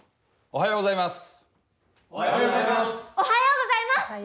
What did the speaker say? おはようございます。